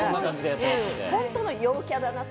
本当の陽キャだなって。